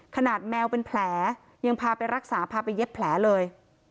แมวเป็นแผลยังพาไปรักษาพาไปเย็บแผลเลย